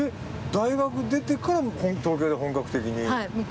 大学出てから東京で本格的に？